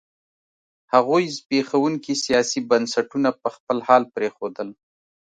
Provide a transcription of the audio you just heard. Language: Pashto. هغوی زبېښونکي سیاسي بنسټونه په خپل حال پرېښودل.